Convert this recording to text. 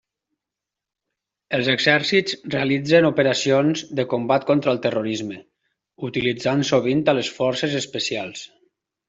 Els exèrcits realitzen operacions de combat contra el terrorisme, utilitzant sovint a les forces especials.